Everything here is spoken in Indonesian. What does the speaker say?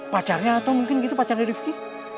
pacarnya atau mungkin gitu pacarnya rifki